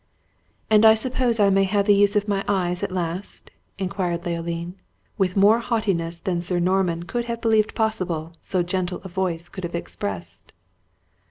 "And I suppose I may have the use of my eyes at last?" inquired Leoline, with more haughtiness than Sir Norman could have believed possible so gentle a voice could have expressed.